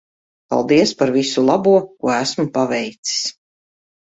Paldies par visu labo ko esmu paveicis.